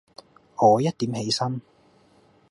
我一點起身